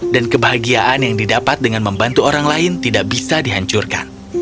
dan kebahagiaan yang dapat dengan membantu orang lain tidak bisa dihancurkan